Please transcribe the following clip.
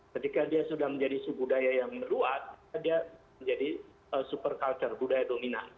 ketika dia sudah menjadi sub budaya yang luas dia menjadi super culture budaya dominan